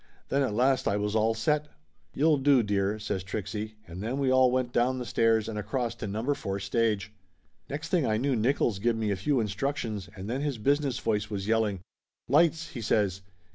Then at last I was all set. "You'll do, dear !" says Trixie, and then we all went down the stairs and across to Number Four Stage. Next thing I knew Nickolls give me a few instruc tions and then his business voice was yelling. "Lights!" he says.